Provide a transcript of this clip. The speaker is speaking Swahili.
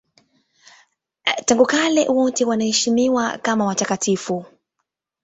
Tangu kale wote wanaheshimiwa kama watakatifu.